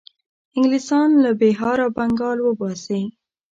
انګلیسیان له بیهار او بنګال وباسي.